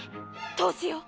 どうしよう！